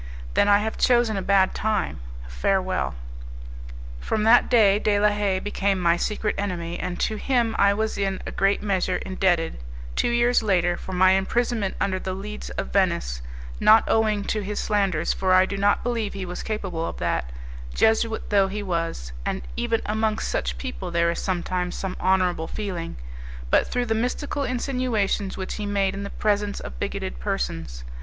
"Then I have chosen a bad time. Farewell." From that day, De la Haye became my secret enemy, and to him I was in a great measure indebted, two years later, for my imprisonment under The Leads of Venice; not owing to his slanders, for I do not believe he was capable of that, Jesuit though he was and even amongst such people there is sometimes some honourable feeling but through the mystical insinuations which he made in the presence of bigoted persons.